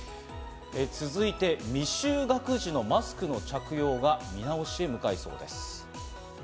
続いて未就学児のマスクの着用が見直しへ向かいそうです。